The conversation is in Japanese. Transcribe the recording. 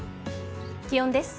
気温です。